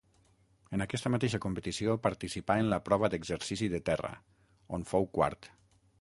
En aquesta mateixa competició participà en la prova d'exercici de terra, on fou quart.